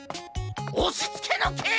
おしつけのけい！